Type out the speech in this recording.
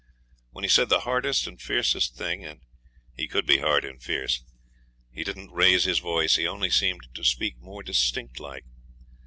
When he said the hardest and fiercest thing and he could be hard and fierce he didn't raise his voice; he only seemed to speak more distinct like.